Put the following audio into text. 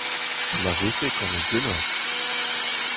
Ha ma vefe kanet ganeoc'h !